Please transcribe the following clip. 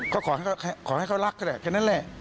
ก็ขอให้เขารักก็ได้แค่นั้นแหละ